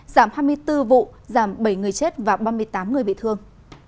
giảm hai mươi bốn vụ giảm bảy người chết và ba mươi tám người bị thương